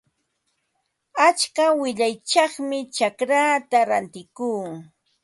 Achka qillayćhawmi chacraata rantikuu.